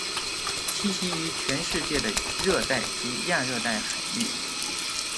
栖息于全世界的热带及亚热带海域。